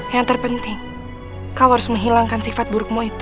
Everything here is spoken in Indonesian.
yang terpenting kau harus menghilangkan sifat burukmu itu